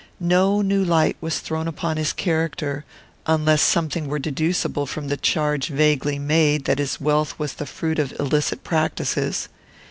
No new light was thrown upon his character; unless something were deducible from the charge vaguely made, that his wealth was the fruit of illicit practices.